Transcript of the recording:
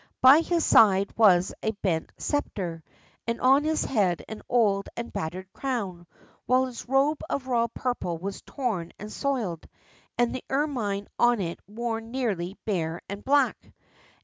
By his side was a bent sceptre, and on his head an old and battered crown, while his robe of royal purple was torn and soiled, and the ermine on it worn nearly bare and black.